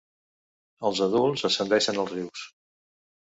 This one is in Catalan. Els adults ascendeixen als rius.